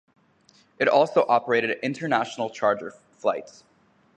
It also operated international charter flights.